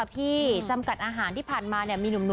พี่สวยขนาดเนี่ย